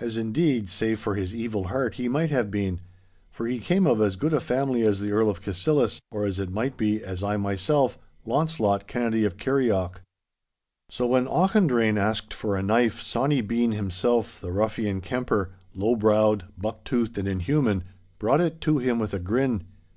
As, indeed, save for his evil heart he might have been, for he came of as good a family as the Earl of Cassillis, or, as it might be, as I myself, Launcelot Kennedy of Kirrieoch. So when Auchendrayne asked for a knife, Sawny Bean himself, the ruffian kemper, low browed, buck toothed, and inhuman, brought it to him with a grin.